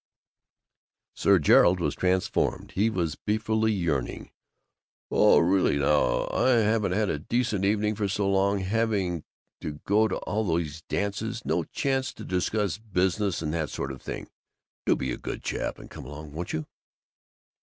Sir Gerald was transformed. He was beefily yearning. "Oh really, now; I haven't had a decent evening for so long! Having to go to all these dances. No chance to discuss business and that sort of thing. Do be a good chap and come along. Won't you?"